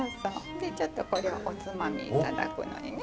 でちょっとこれをおつまみ頂くのにね。